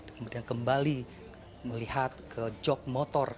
kemudian kembali melihat ke jog motor